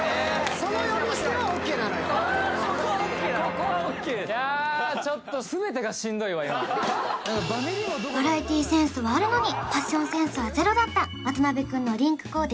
そこはＯＫなのいやちょっとバラエティーセンスはあるのにファッションセンスはゼロだった渡辺くんのリンクコーデ